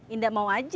indah mau aja